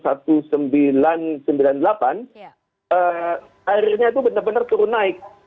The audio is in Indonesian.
airnya itu benar benar turun naik